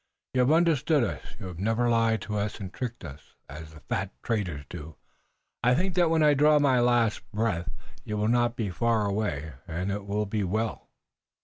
You have understood us, you have never lied to us, and tricked us, as the fat traders do. I think that when I draw my last breath you will not be far away and it will be well.